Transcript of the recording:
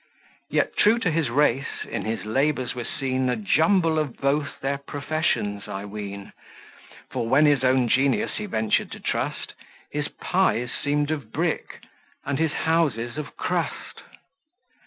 Yet true to his race, in his labours were seen A jumble of both their professions, I ween; For, when his own genius he ventured to trust, His pies seemed of brick, and his houses of crust.